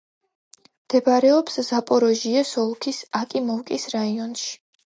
მდებარეობს ზაპოროჟიეს ოლქის აკიმოვკის რაიონში.